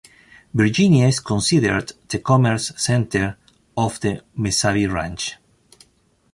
Virginia is considered the commerce center of the Mesabi Range.